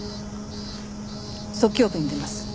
側胸部に出ます。